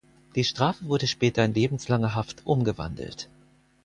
Die Strafe wurde später in lebenslange Haft umgewandelt.